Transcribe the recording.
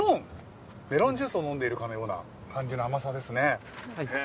メロンジュースを飲んでいるかのような甘さですね。